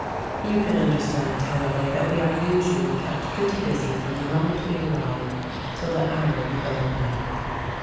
You can understand, however, that we are usually kept pretty busy from the moment we arrive till the hour we go away.